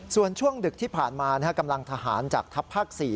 ส่วนช่วงดึกที่ผ่านมากำลังทหารจากทัพภาค๔